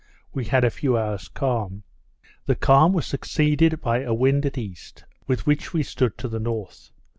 we had a few hours calm. The calm was succeeded by a wind at east, with which we stood to the north.